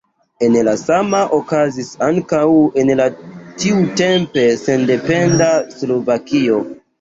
La sama okazis ankaŭ en la tiutempe sendependa Slovakio.